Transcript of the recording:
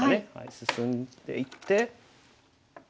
進んでいって。